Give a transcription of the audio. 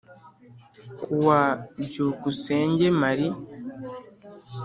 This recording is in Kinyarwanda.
Ku wa byukusenge marie